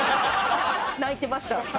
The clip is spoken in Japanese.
泣いてました。